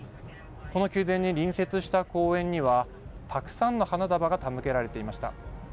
この宮殿に隣接した公園にはたくさんの花束が手向けられていました。